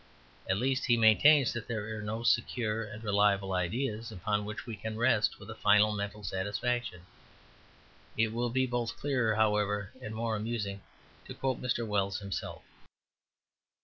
At least, he maintains that there are no secure and reliable ideas upon which we can rest with a final mental satisfaction. It will be both clearer, however, and more amusing to quote Mr. Wells himself.